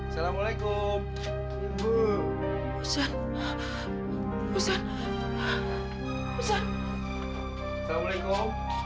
salam ya allah alhamdulillah